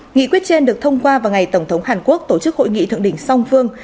nghị quyết trên được thông qua vào ngày tổng thống hàn quốc tổ chức hội nghị thượng đỉnh song phương